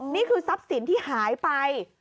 นี่คือทรัพย์สินที่หายไป